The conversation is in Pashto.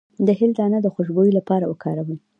د هل دانه د خوشبو لپاره وکاروئ